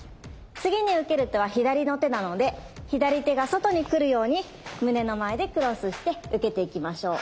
次に受ける手は左の手なので左手が外に来るように胸の前でクロスして受けていきましょう。